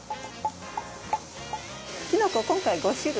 きのこは今回５種類。